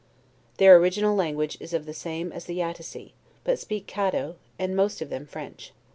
Their original language is the same as the Yattassee, but speak Oddo, and most of them French.